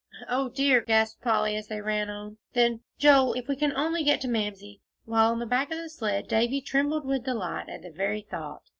"O dear!" gasped Polly, as they ran on. Then, "Joel, if we can only get to Mamsie," while back on the sled Davie trembled with delight at the very thought.